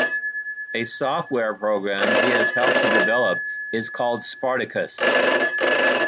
A software program he has helped developed is called "Spartacus".